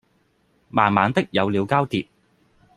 慢慢的有了交疊